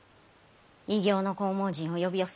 異形の紅毛人を呼び寄せ